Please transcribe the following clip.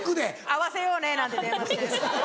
「合わせようね」なんて電話して。